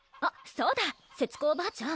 そうだせつこおばあちゃん